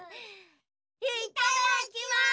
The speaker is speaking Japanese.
いっただきます！